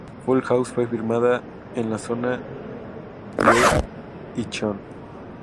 Full House fue filmada en la zona Gwangyeok-si de Incheon.